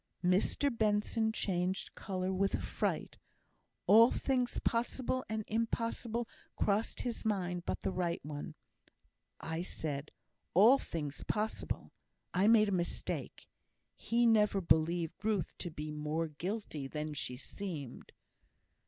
Mr Benson changed colour with affright. All things possible and impossible crossed his mind but the right one. I said, "all things possible;" I made a mistake. He never believed Ruth to be more guilty than she seemed.